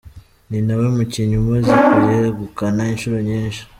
Ni nawe mukinnyi umaze kuyegukana inshuro nyinshi.